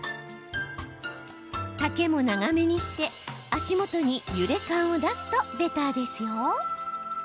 丈も長めにして、足元に揺れ感を出すとベターですよ。